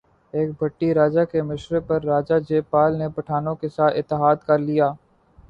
ایک بھٹی راجہ کے مشورے پر راجہ جے پال نے پٹھانوں کے ساتھ اتحاد کر لیا